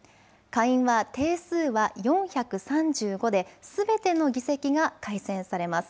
下院は定数は４３５ですべての議席が改選されます。